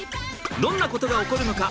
どんなことが起こるのか？